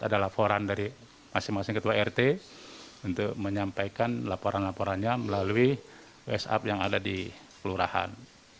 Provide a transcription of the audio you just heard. ada laporan dari masing masing ketua rt untuk menyampaikan laporan laporannya melalui whatsapp yang ada di kelurahan